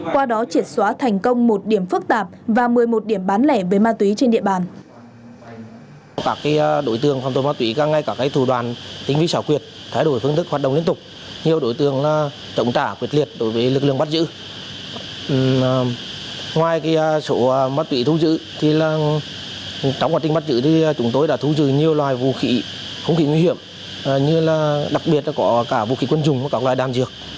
qua đó triệt xóa thành công một điểm phức tạp và một mươi một điểm bán lẻ với ma túy trên địa bàn